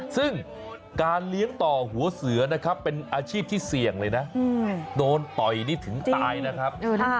ซึ่งการเลี้ยงต่อหัวเสือนะครับเป็นอาชีพที่เสี่ยงเลยนะโดนต่อยนี่ถึงตายนะครับ